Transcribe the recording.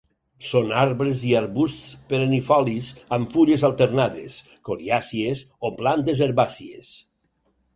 Són arbres i arbusts perennifolis amb fulles alternades, coriàcies o plantes herbàcies.